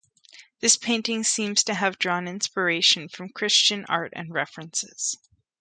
This painting seems to have drawn inspiration from Christian art and references.